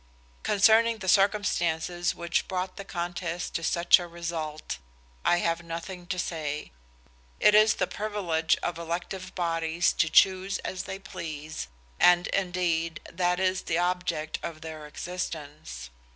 Concerning the circumstances which brought the contest to such a result, I have nothing to say. It is the privilege of elective bodies to choose as they please, and indeed, that is the object of their existence.